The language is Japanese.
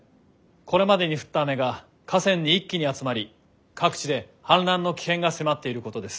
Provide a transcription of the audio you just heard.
これまでに降った雨が河川に一気に集まり各地で氾濫の危険が迫っていることです。